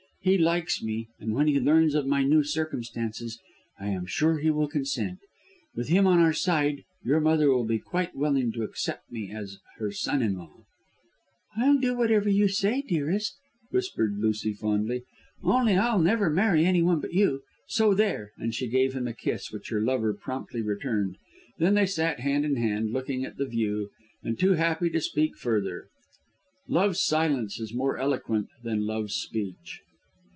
He likes me, and when he learns of my new circumstances I am sure he will consent. With him on our side your mother will be quite willing to accept me as her son in law." "I'll do whatever you say, dearest," whispered Lucy fondly, "only I'll never marry anyone but you. So there!" and she gave him a kiss which her lover promptly returned. Then they sat hand in hand, looking at the view, and too happy to speak further. Love's silence is more eloquent than Love's speech.